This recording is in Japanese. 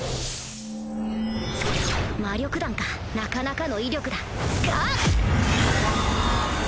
魔力弾かなかなかの威力だが！